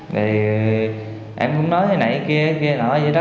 thì em cũng nói thế này kia kia nói vậy đó